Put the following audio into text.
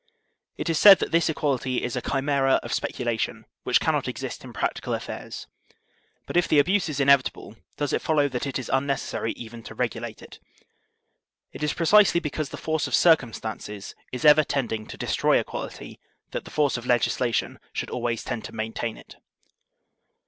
It is said that this equality is a chimera of specula tion which cannot exist in practical affairs. But if the abuse is inevitable, does it follow that it is unneces sary even to regulate it ? It is precisely because the force of circumstances is ever tending to destroy equal ity that, the force of legislation should always tend to maintain it.